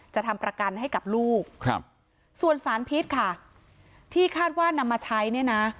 จะทำประกันให้กับลูกครับส่วนสารพิษค่ะที่คาดว่านำมาใช้เนี่ยนะ